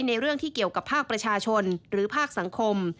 เรื่องที่เกี่ยวกับภาคประชาชนหรือภาคสังคม